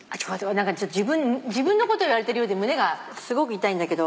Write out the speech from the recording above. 自分のこと言われてるようで胸がすごく痛いんだけど。